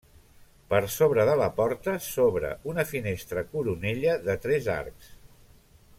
Per sobre de la porta s'obre una finestra coronella de tres arcs.